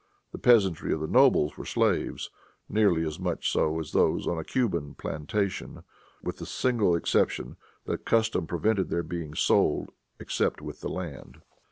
The peasantry of the nobles were slaves, nearly as much so as those on a Cuban plantation, with the single exception that custom prevented their being sold except with the land.